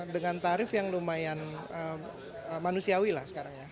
dengan tarif yang lumayan manusiawi lah sekarang ya